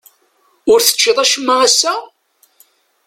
Ur teččiḍ acemma ass-a?